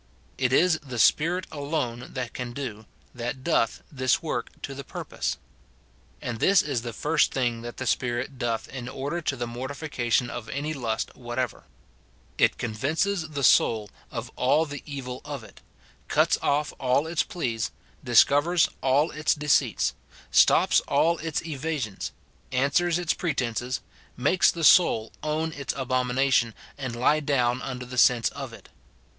It is the Spirit alone that can do, that doth, this work to the pur pose. And this is the first thing that the Spirit doth in order to the mortification of any lust whatever, — it con vinces the soul of all the evil of it, cuts off all its pleas, discovers all its deceits, stops all its evasions, answers its pretences, makes the soul own its abomination, and lie down under the sense of it.